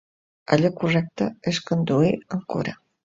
Allò correcte és conduir amb cura.